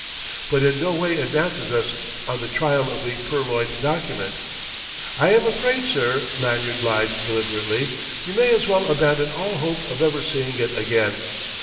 "But in no way advances us on the trail of the purloined document." "I am afraid, sir," Lanyard lied deliberately, "you may as well abandon all hope of ever seeing it again.